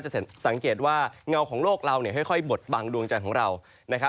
สังเกตว่าเงาของโลกเราค่อยบดบังดวงจันทร์ของเรานะครับ